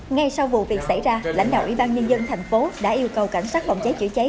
ngay sau vụ việc xảy ra lãnh đạo ủy ban nhân dân thành phố đã yêu cầu cảnh sát phòng cháy chữa cháy